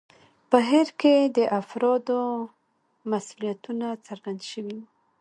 په هیر کې د افرادو مسوولیتونه څرګند شوي وو.